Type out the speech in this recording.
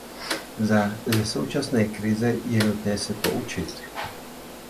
Ze současné krize je nutné se poučit.